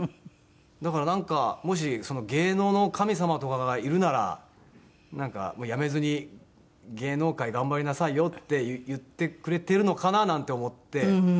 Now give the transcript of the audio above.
だからなんかもし芸能の神様とかがいるなら「辞めずに芸能界頑張りなさいよ」って言ってくれてるのかな？なんて思って。